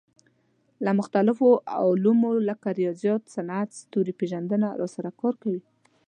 له مختلفو علومو لکه ریاضیات، صنعت، ستوري پېژندنه سره کار کوي.